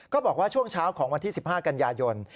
บอกว่าช่วงเช้าของวันที่๑๕กันยายน